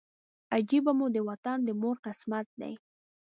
عجیبه مو د وطن د مور قسمت دی